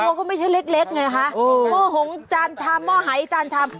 แล้วก็มันไม่ใช่เล็กไงคะโอ้โหจานชำเหมือหายจานชำ